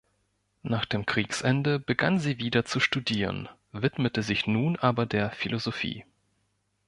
Nach dem Kriegsende begann sie wieder zu studieren, widmete sich nun aber der Philosophie.